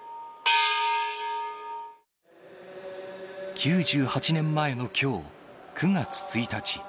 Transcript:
９８年前のきょう９月１日。